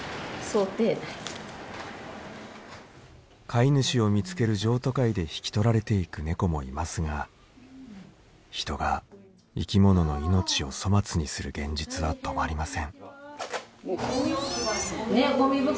飼い主を見つける譲渡会で引き取られていく猫もいますが人が生き物の命を粗末にする現実は止まりません。